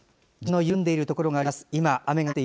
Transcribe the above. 地盤の緩んでいるところがあります。